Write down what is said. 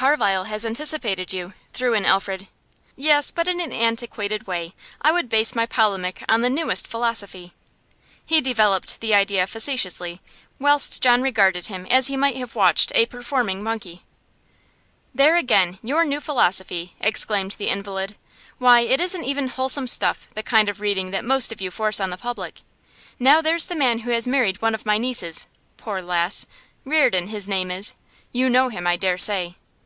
'Carlyle has anticipated you,' threw in Alfred. 'Yes, but in an antiquated way. I would base my polemic on the newest philosophy.' He developed the idea facetiously, whilst John regarded him as he might have watched a performing monkey. 'There again! your new philosophy!' exclaimed the invalid. 'Why, it isn't even wholesome stuff, the kind of reading that most of you force on the public. Now there's the man who has married one of my nieces poor lass! Reardon, his name is. You know him, I dare say.